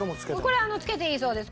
これつけていいそうです。